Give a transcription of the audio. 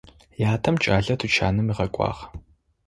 Ятэм кӏалэр тучанэм ыгъэкӏуагъ.